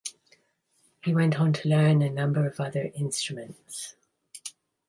He went on to learn a number of other instruments.